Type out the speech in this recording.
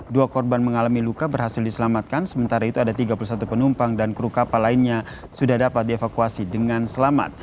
dua korban mengalami luka berhasil diselamatkan sementara itu ada tiga puluh satu penumpang dan kru kapal lainnya sudah dapat dievakuasi dengan selamat